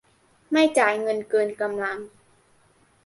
ไม่จ่ายเงินเกินกำลัง